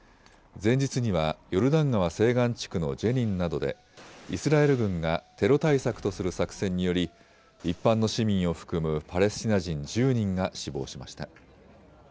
前日にはヨルダン川西岸地区のジェニンなどでイスラエル軍がテロ対策とする作戦により一般の市民を含むパレスチナ人１０人が死亡しました。